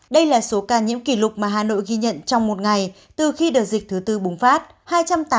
đây là số ca nhiễm kỷ lục mà hà nội ghi nhận trong một ngày từ khi đợt dịch thứ tư bùng phát